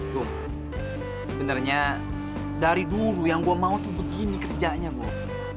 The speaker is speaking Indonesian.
gua sebenernya dari dulu yang gua mau tuh begini kerjanya gua